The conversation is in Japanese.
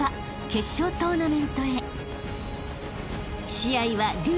［決勝トーナメントへ］